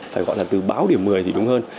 phải gọi là từ báo điểm một mươi thì đúng hơn